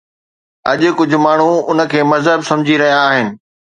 اڄ جيئن ڪجهه ماڻهو ان کي مذهب سمجهي رهيا آهن